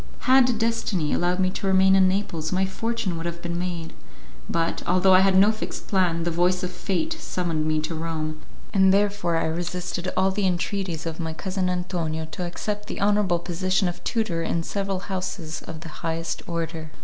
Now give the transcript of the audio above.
Had destiny allowed me to remain in Naples my fortune would have been made; but, although I had no fixed plan, the voice of fate summoned me to Rome, and therefore I resisted all the entreaties of my cousin Antonio to accept the honourable position of tutor in several houses of the highest order.